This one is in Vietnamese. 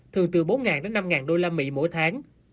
thường từ bốn đến năm đô la mỹ mỗi tháng